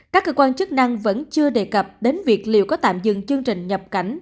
các cơ quan chức năng vẫn chưa đề cập đến việc liệu có tạm dừng chương trình nhập cảnh